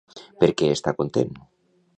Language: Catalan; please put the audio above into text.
Per què està content?